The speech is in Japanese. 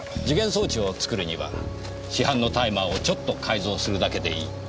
時限装置を作るには市販のタイマーをちょっと改造するだけでいい。